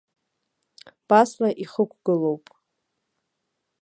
Басла ихықәгылоуп.